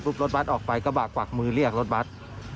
รถบัตรออกไปกระบะกวักมือเรียกรถบัตร